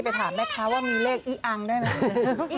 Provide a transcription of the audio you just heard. ถามแม่ค้าว่ามีเลขอี้อังได้ไหม